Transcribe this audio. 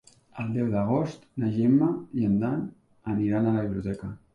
El deu d'agost na Gemma i en Dan aniran a la biblioteca.